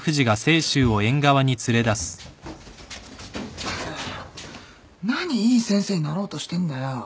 ったく何いい先生になろうとしてんだよ。